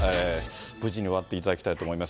無事に終わっていただきたいと思います。